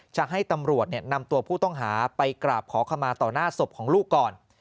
จะให้ตำรวจนำตัวผู้ต้องหาไปกราบขอขมาต่อหน้าศพของลูกก่อน